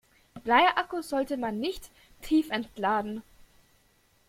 Bleiakkus sollte man nicht tiefentladen.